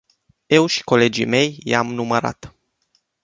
Eu și colegii mei i-am numărat.